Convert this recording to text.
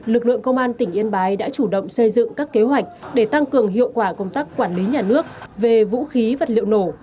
lực lượng công an tỉnh yên bái đã chủ động xây dựng các kế hoạch để tăng cường hiệu quả công tác quản lý nhà nước về vũ khí vật liệu nổ